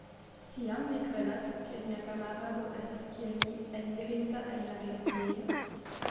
Tiam vi kredas, ke mia kamarado estas kiel mi elirinta el la glaciejo?